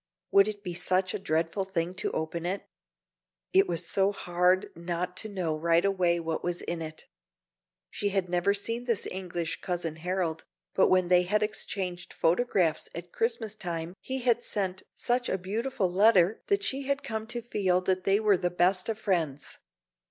Would it be such a dreadful thing to open it? It was so hard not to know right away what was in it. She had never seen this English Cousin Harold, but when they had exchanged photographs at Christmas time he had sent such a beautiful letter that she had come to feel that they were the best of friends.